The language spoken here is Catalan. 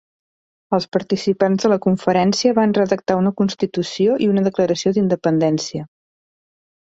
Els participants de la conferència van redactar una constitució i una declaració d'independència.